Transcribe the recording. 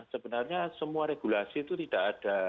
sebenarnya semua regulasi itu tidak ada